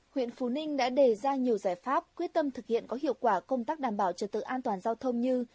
huyện phú ninh đã đề ra nhiều giải pháp quyết tâm thực hiện có hiệu quả công tác đảm bảo trật tự an toàn giao thông như